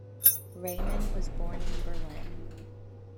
Reimann was born in Berlin.